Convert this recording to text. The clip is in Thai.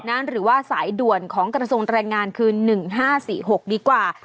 หรือว่าสายด่วนของกระทรวงแรงงานคือ๑๕๔๖ดีกว่า